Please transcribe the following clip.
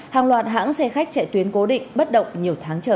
hàng loạt hãng xe khách chạy tuyến cố định bất động nhiều tháng chờ